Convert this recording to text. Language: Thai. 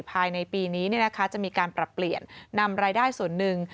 ภายในปีนี้จะมีการปรับเปลี่ยนนำรายได้ส่วนหนึ่ง